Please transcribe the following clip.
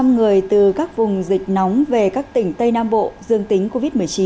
năm người từ các vùng dịch nóng về các tỉnh tây nam bộ dương tính covid một mươi chín